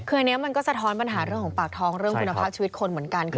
คืออันนี้มันก็สะท้อนปัญหาเรื่องของปากท้องเรื่องคุณภาพชีวิตคนเหมือนกัน